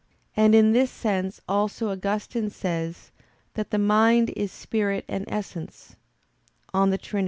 And in this sense also Augustine says that the mind is spirit and essence (De Trin.